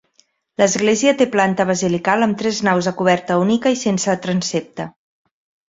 L'església té planta basilical amb tres naus de coberta única i sense transsepte.